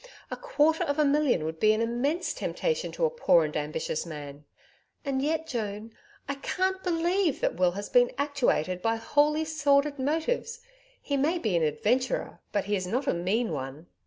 A quarter of a million would be an immense temptation to a poor and ambitious man. And yet, Joan, I CAN'T believe that Will has been actuated by wholly sordid motives. He may be an adventurer, but he is not a mean one.